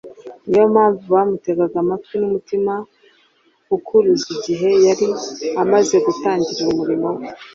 Ni yo mpamvu bamutegaga amatwi n'umutima ukuruze igihe yari amaze gutangira umurimo we.